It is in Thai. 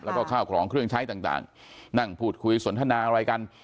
แล้วก็ข้าวของเครื่องใช้ต่างนั่งพูดคุยสนทนาอะไรกัน